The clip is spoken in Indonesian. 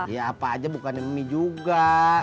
ya apa aja bukannya mie juga